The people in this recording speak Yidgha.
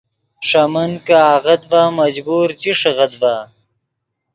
ݰے من کہ آغت ڤے مجبور چی ݰیغیت ڤے